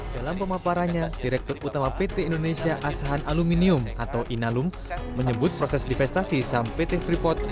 dalam pemaparannya direktur utama pt indonesia asahan aluminium atau inalum menyebut proses divestasi saham pt freeport